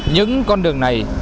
những con đường này